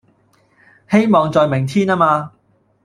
希望在明天呀嘛